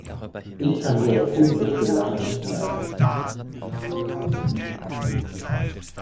Ich kann ihre unechte Lache nicht leiden.